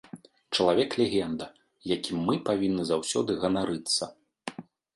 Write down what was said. Чалавек-легенда, якім мы павінны заўсёды ганарыцца.